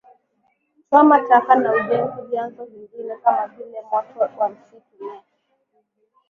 kuchoma taka na ujenzi Vyanzo vingine kama vile moto wa misitu na